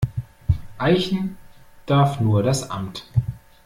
Eichen darf nur das Amt.